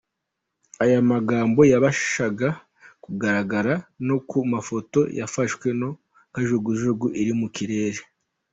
Aya magambo yabashaga kugaragara no ku mafoto yafashwe na kajugujugu iri mu kirere.